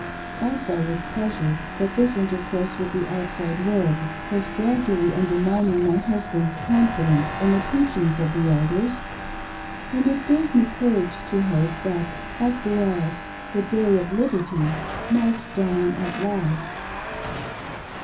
I saw, with pleasure, that this inter course with the outside world was gradually undermining my husband's confidence in the teachings of the Elders, and it gave me courage to hope that, after all, the day of liberty might dawn at Ikst.